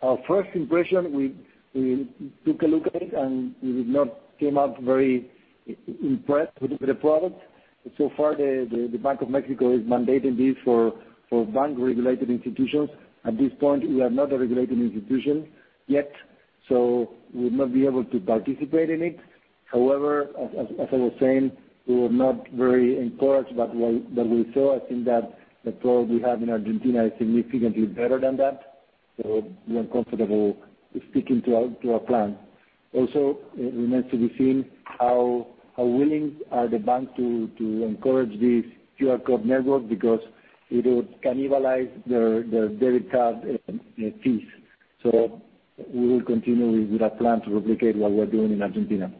our first impression, we took a look at it, and we did not come out very impressed with the product. Far, the Bank of Mexico is mandating this for bank-regulated institutions. At this point, we are not a regulated institution yet, so we would not be able to participate in it. However, as I was saying, we were not very encouraged by what we saw. I think that the product we have in Argentina is significantly better than that, so we are comfortable sticking to our plan. Also, it remains to be seen how willing are the banks to encourage this QR code network because it would cannibalize their debit card fees. We will continue with our plan to replicate what we're doing in Argentina.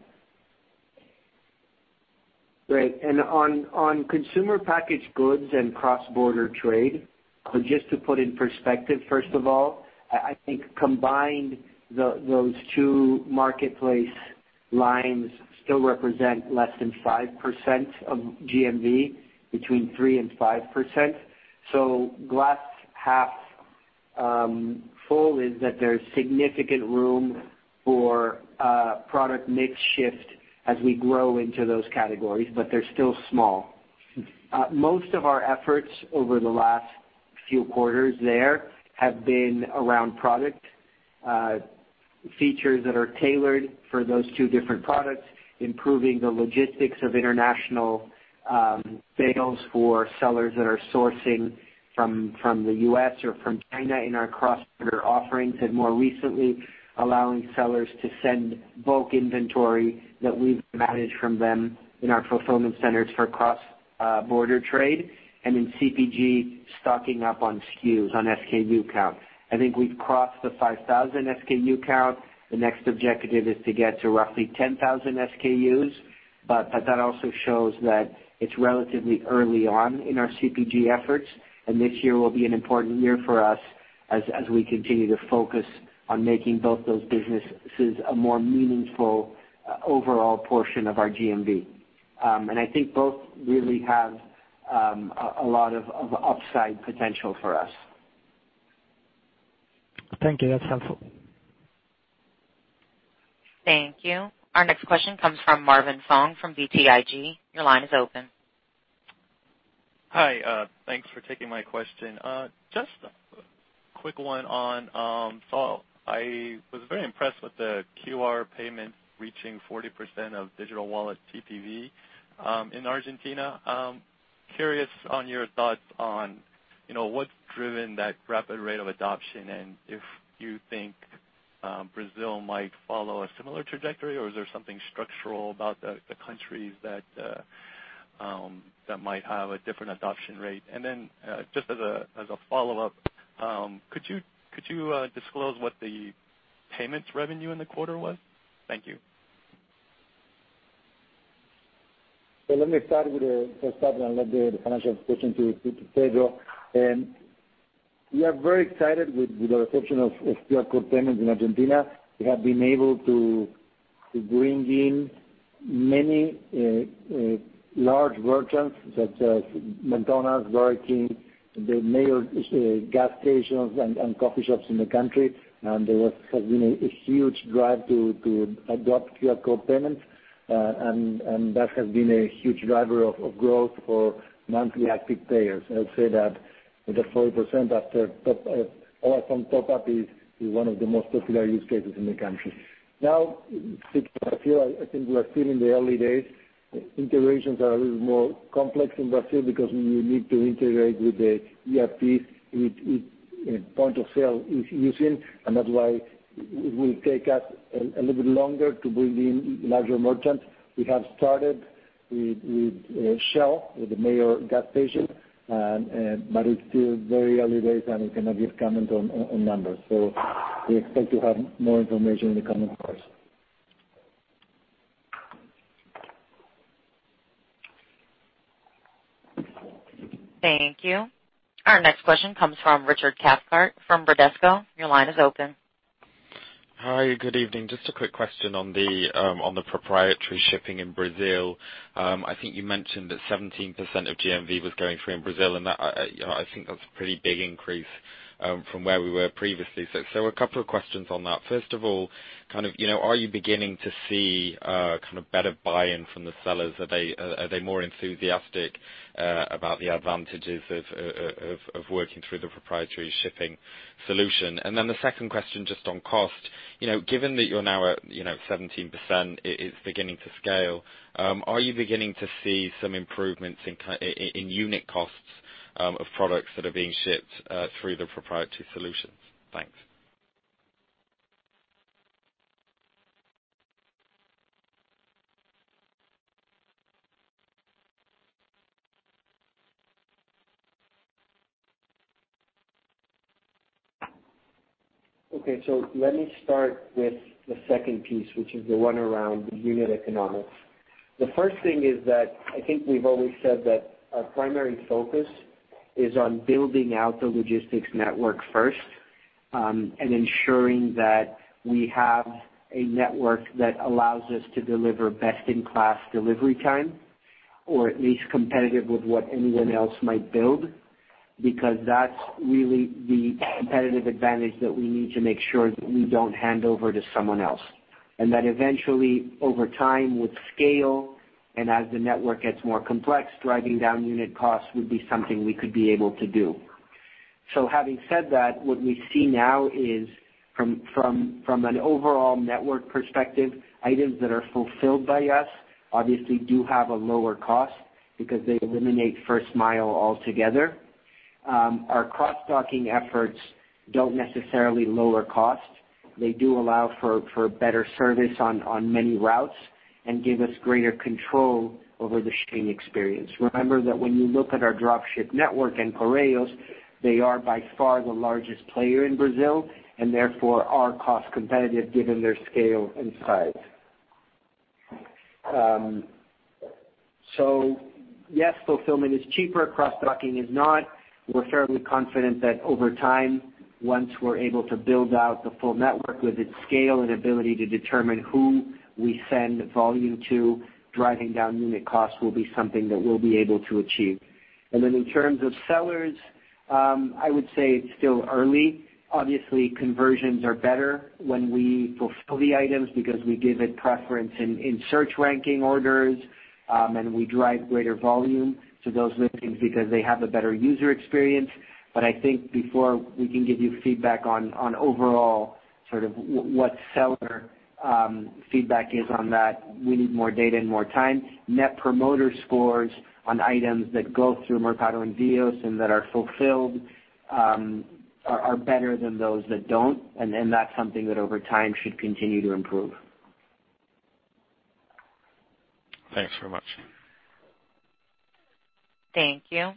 Great. On consumer packaged goods and cross-border trade, just to put in perspective, first of all, I think combined, those two marketplace lines still represent less than 5% of GMV, between 3%-5%. Glass half full is that there's significant room for product mix shift as we grow into those categories, but they're still small. Most of our efforts over the last few quarters there have been around product features that are tailored for those two different products, improving the logistics of international sales for sellers that are sourcing from the U.S. or from China in our cross-border offerings, and more recently, allowing sellers to send bulk inventory that we've managed from them in our fulfillment centers for cross-border trade. In CPG, stocking up on SKUs, on SKU count. I think we've crossed the 5,000 SKU count. The next objective is to get to roughly 10,000 SKUs. That also shows that it's relatively early on in our CPG efforts, this year will be an important year for us as we continue to focus on making both those businesses a more meaningful overall portion of our GMV. I think both really have a lot of upside potential for us. Thank you. That's helpful. Thank you. Our next question comes from Marvin Fong from BTIG. Your line is open. Hi. Thanks for taking my question. Just a quick one on fall. I was very impressed with the QR payment reaching 40% of digital wallet TPV in Argentina. Curious on your thoughts on what's driven that rapid rate of adoption, if you think Brazil might follow a similar trajectory, is there something structural about the countries that might have a different adoption rate? Just as a follow-up, could you disclose what the payments revenue in the quarter was? Thank you. Let me start with the first part, then I'll leave the financial question to Pedro. We are very excited with the reception of QR code payments in Argentina. We have been able to bring in many large merchants such as McDonald's, Burger King, the major gas stations, and coffee shops in the country. There has been a huge drive to adopt QR code payments, that has been a huge driver of growth for monthly active payers. I would say that the 40% after or from top-up is one of the most popular use cases in the country. I think we are still in the early days. Integrations are a little more complex in Brazil because you need to integrate with the ERP, with point of sale you're using, that's why it will take us a little bit longer to bring in larger merchants. We have started with Shell, with the major gas station, it's still very early days, we cannot give comment on numbers. We expect to have more information in the coming quarters. Thank you. Our next question comes from Richard Cathcart from Bradesco. Your line is open. Hi, good evening. Just a quick question on the proprietary shipping in Brazil. I think you mentioned that 17% of GMV was going through in Brazil, I think that's a pretty big increase from where we were previously. A couple of questions on that. First of all, are you beginning to see better buy-in from the sellers? Are they more enthusiastic about the advantages of working through the proprietary shipping solution? Then the second question just on cost. Given that you're now at 17%, it is beginning to scale, are you beginning to see some improvements in unit costs of products that are being shipped through the proprietary solutions? Thanks. Let me start with the second piece, which is the one around the unit economics. The first thing is that I think we've always said that our primary focus is on building out the logistics network first, and ensuring that we have a network that allows us to deliver best-in-class delivery time, or at least competitive with what anyone else might build, because that's really the competitive advantage that we need to make sure that we don't hand over to someone else. That eventually, over time, with scale, and as the network gets more complex, driving down unit costs would be something we could be able to do. Having said that, what we see now is, from an overall network perspective, items that are fulfilled by us obviously do have a lower cost, because they eliminate first mile altogether. Our cross-docking efforts don't necessarily lower cost. They do allow for better service on many routes and give us greater control over the shipping experience. Remember that when you look at our drop ship network and Correios, they are by far the largest player in Brazil, and therefore are cost competitive given their scale and size. Yes, fulfillment is cheaper, cross-docking is not. We're fairly confident that over time, once we're able to build out the full network with its scale and ability to determine who we send volume to, driving down unit costs will be something that we'll be able to achieve. Then in terms of sellers, I would say it's still early. Obviously, conversions are better when we fulfill the items because we give it preference in search ranking orders, and we drive greater volume to those listings because they have a better user experience. I think before we can give you feedback on overall sort of what seller feedback is on that, we need more data and more time. Net promoter scores on items that go through Mercado Envios and that are fulfilled are better than those that don't, and that's something that over time should continue to improve. Thanks very much. Thank you.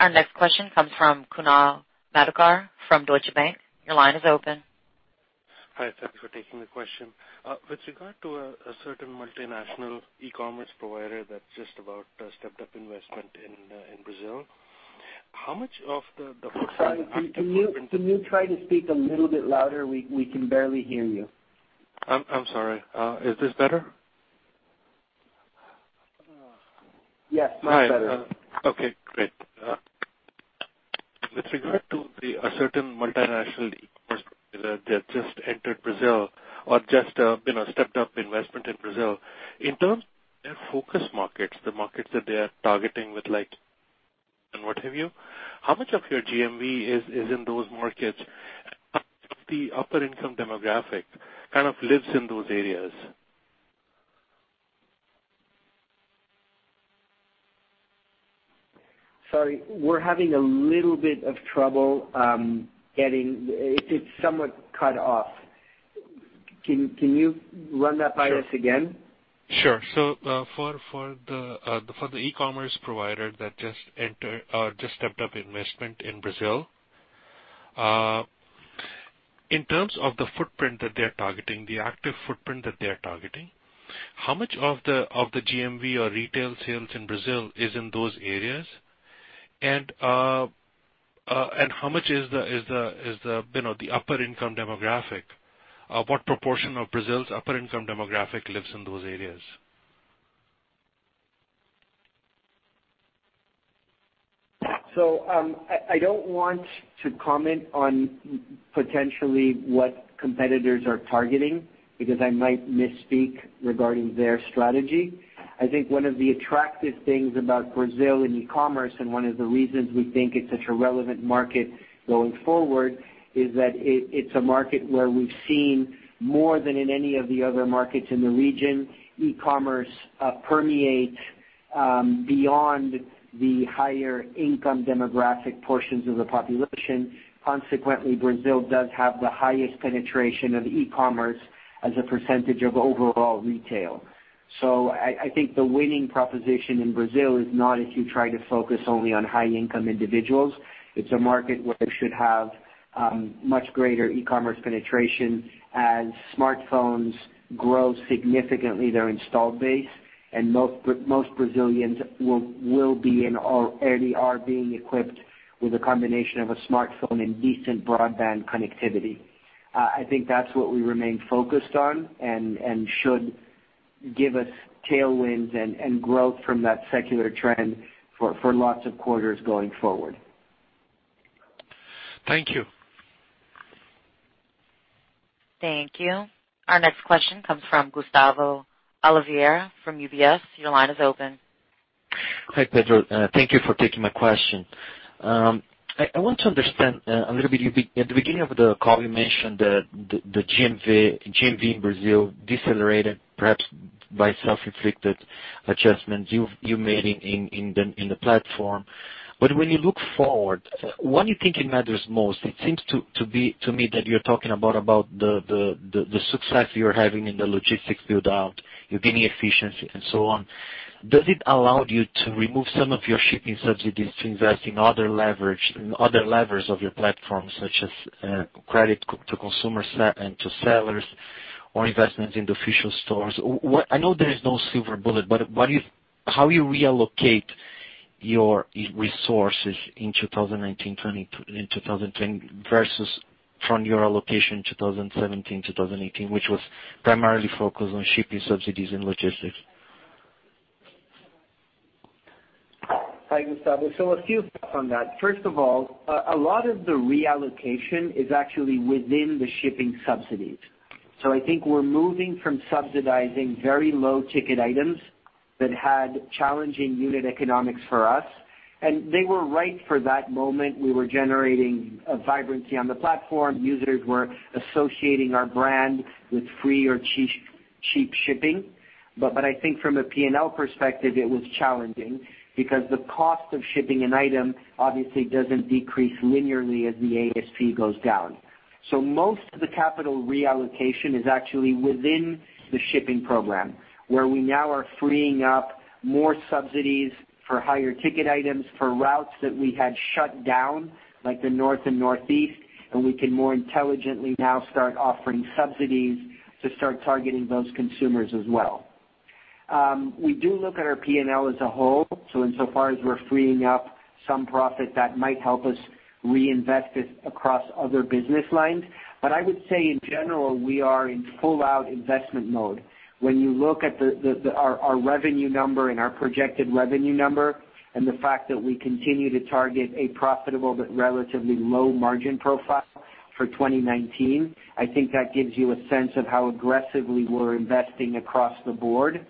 Our next question comes from Kunal Madhukar from Deutsche Bank. Your line is open. Hi. Thank you for taking the question. With regard to a certain multinational e-commerce provider that's just about stepped up investment in Brazil. Sorry. Can you try to speak a little bit louder? We can barely hear you. I'm sorry. Is this better? Yes, much better. Okay, great. With regard to a certain multinational e-commerce provider that just entered Brazil or just stepped up investment in Brazil. In terms of their focus markets, the markets that they are targeting with like, and what have you, how much of your GMV is in those markets? The upper-income demographic kind of lives in those areas. Sorry. We're having a little bit of trouble getting. It's somewhat cut off. Can you run that by us again? Sure. For the e-commerce provider that just stepped up investment in Brazil, in terms of the footprint that they're targeting, the active footprint that they're targeting, how much of the GMV or retail sales in Brazil is in those areas? How much is the upper-income demographic? What proportion of Brazil's upper-income demographic lives in those areas? I don't want to comment on potentially what competitors are targeting because I might misspeak regarding their strategy. I think one of the attractive things about Brazil and e-commerce, and one of the reasons we think it's such a relevant market going forward is that it's a market where we've seen more than in any of the other markets in the region, e-commerce permeates beyond the higher income demographic portions of the population. Consequently, Brazil does have the highest penetration of e-commerce as a percentage of overall retail. I think the winning proposition in Brazil is not if you try to focus only on high-income individuals. It's a market where you should have much greater e-commerce penetration as smartphones grow significantly their installed base, and most Brazilians will be, and already are being equipped with a combination of a smartphone and decent broadband connectivity. I think that's what we remain focused on and should give us tailwinds and growth from that secular trend for lots of quarters going forward. Thank you. Thank you. Our next question comes from Gustavo Oliveira from UBS. Your line is open. Hi, Pedro. Thank you for taking my question. I want to understand a little bit. At the beginning of the call, you mentioned the GMV in Brazil decelerated, perhaps by self-inflicted adjustments you made in the platform. When you look forward, what do you think matters most? It seems to me that you're talking about the success you're having in the logistics build-out, you're gaining efficiency, and so on. Does it allow you to remove some of your shipping subsidies to invest in other levers of your platform, such as credit to consumers and to sellers, or investments in the official stores? I know there is no silver bullet, how you reallocate your resources in 2019 versus from your allocation 2017, 2018, which was primarily focused on shipping subsidies and logistics. Hi, Gustavo. A few things on that. First of all, a lot of the reallocation is actually within the shipping subsidies. I think we're moving from subsidizing very low-ticket items that had challenging unit economics for us. They were right for that moment. We were generating a vibrancy on the platform. Users were associating our brand with free or cheap shipping. I think from a P&L perspective, it was challenging because the cost of shipping an item obviously doesn't decrease linearly as the ASP goes down. Most of the capital reallocation is actually within the shipping program, where we now are freeing up more subsidies for higher ticket items for routes that we had shut down, like the North and Northeast, and we can more intelligently now start offering subsidies to start targeting those consumers as well. We do look at our P&L as a whole. Insofar as we're freeing up some profit, that might help us reinvest it across other business lines. I would say, in general, we are in full-out investment mode. When you look at our revenue number and our projected revenue number, and the fact that we continue to target a profitable but relatively low margin profile for 2019, I think that gives you a sense of how aggressively we're investing across the board.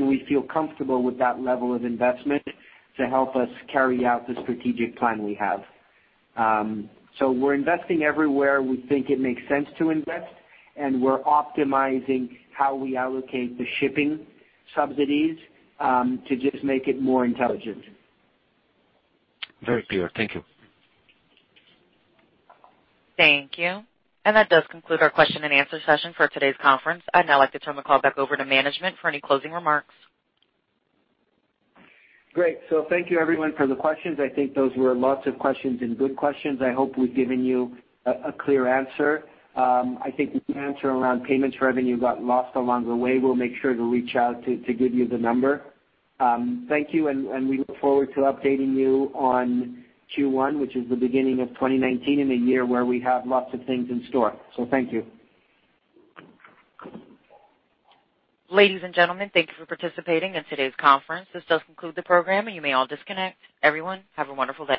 We feel comfortable with that level of investment to help us carry out the strategic plan we have. We're investing everywhere we think it makes sense to invest, and we're optimizing how we allocate the shipping subsidies to just make it more intelligent. Very clear. Thank you. Thank you. That does conclude our question and answer session for today's conference. I'd now like to turn the call back over to management for any closing remarks. Great. Thank you, everyone, for the questions. I think those were lots of questions and good questions. I hope we've given you a clear answer. I think the answer around payments revenue got lost along the way. We'll make sure to reach out to give you the number. Thank you, and we look forward to updating you on Q1, which is the beginning of 2019 and a year where we have lots of things in store. Thank you. Ladies and gentlemen, thank you for participating in today's conference. This does conclude the program. You may all disconnect. Everyone, have a wonderful day.